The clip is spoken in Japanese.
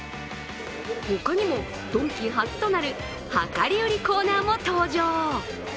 他にもドンキ初となる量り売りコーナーも登場